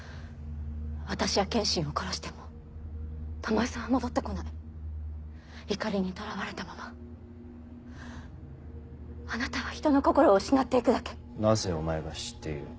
私や剣心を殺しても巴さんは戻って来ない怒りにとらわれたままあなたは人の心を失って行くだけなぜお前が知っている？